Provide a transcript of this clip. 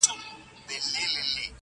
بل به څوك وي زما په شان داسي غښتلى-